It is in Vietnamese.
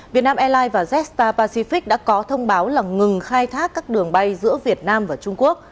việt nam airlines và jetstar pacific đã có thông báo là ngừng khai thác các đường bay giữa việt nam và trung quốc